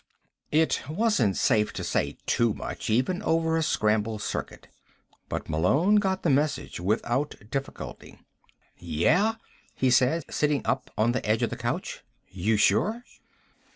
It wasn't safe to say too much, even over a scrambled circuit. But Malone got the message without difficulty. "Yeah?" he said, sitting up on the edge of the couch. "You sure?"